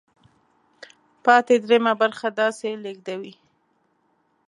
پاتې درېیمه برخه داسې لیږدوي.